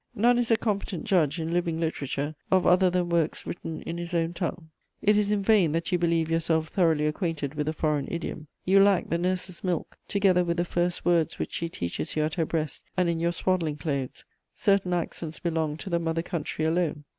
None is a competent judge, in living literature, of other than works written in his own tongue. It is in vain that you believe yourself thoroughly acquainted with a foreign idiom: you lack the nurse's milk, together with the first words which she teaches you at her breast and in your swaddling clothes; certain accents belong to the mother country alone.